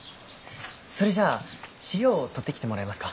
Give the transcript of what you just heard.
それじゃあ資料を取ってきてもらえますか？